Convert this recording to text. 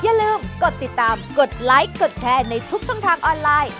อย่าลืมกดติดตามกดไลค์กดแชร์ในทุกช่องทางออนไลน์